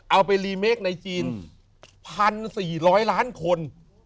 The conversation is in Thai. เอาไปรีเมคในจีน๑๔๐๐ล้านคน